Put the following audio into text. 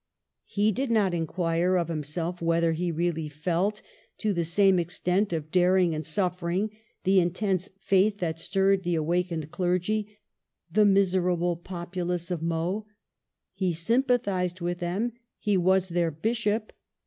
He did not inquire of himself whether he really felt, to the same extent of daring and suf fering, the intense faith that stirred the awakened clergy, the miserable populace of Meaux. He sympathized with them ; he was their bishop.